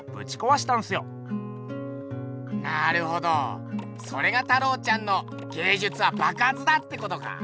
なるほどそれが太郎ちゃんの芸術はばくはつだ！ってことか？